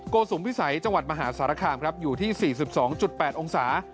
สุมพิสัยจังหวัดมหาสารคามครับอยู่ที่๔๒๘องศา